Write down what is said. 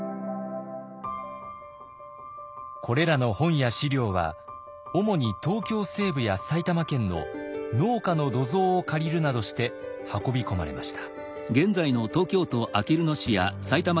これらの本や史料は主に東京西部や埼玉県の農家の土蔵を借りるなどして運び込まれました。